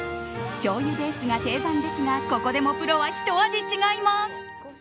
しょうゆベースが定番ですがここでもプロはひと味違います。